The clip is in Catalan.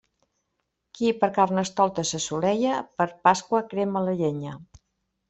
Qui per Carnestoltes s'assolella, per Pasqua crema la llenya.